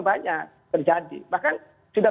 banyak terjadi bahkan sudah